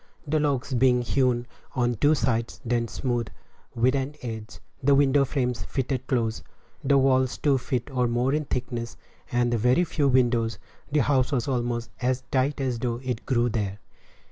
The logs being hewn on two sides, then smoothed with an adze, the window frames fitted close, the walls two feet or more in thickness, and very few windows, the house was almost as tight as though it grew there.